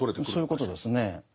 そういうことですね。